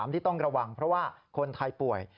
ที่ต้องระวังเพราะว่าคนไทยป่วย